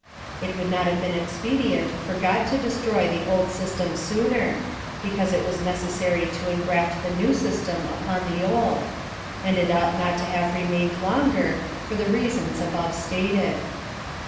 It would not have been expedient for GoJ to de PLAN OF SALVATION. \2\ siroy tlie old system sooner, because it was neces sary to engraft the new system upon the old ; and it ought not to have remained longer, for the rea sons above stated.